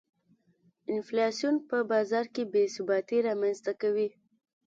انفلاسیون په بازار کې بې ثباتي رامنځته کوي.